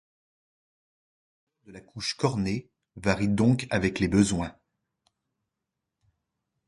L’épaisseur de la couche cornée varie donc avec les besoins.